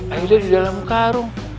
aida di dalam karung